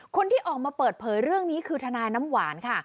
คนที่ออกมาเปิดเผยเรื่องนี้คือทนายน้ำหวานค่ะ